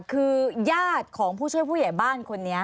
คือญาติของผู้ช่วยผู้ใหญ่บ้านคนนี้